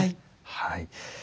はい。